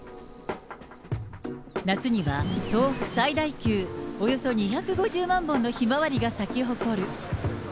夏には、東北最大級、およそ２５０万本のひまわりが咲き誇る。